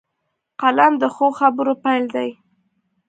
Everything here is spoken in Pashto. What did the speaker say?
قلم د ښو خبرو پيل دی